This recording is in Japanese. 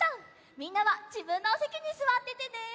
みんなはじぶんのおせきにすわっててね！